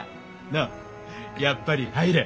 のうやっぱり入れ。